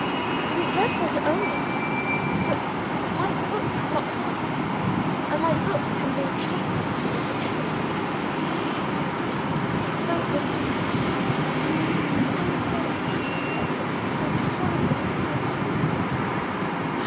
It is dreadful to own it; but my book locks up, and my book can be trusted with the truth. I felt ready to cry I was so unexpectedly, so horribly, disappointed.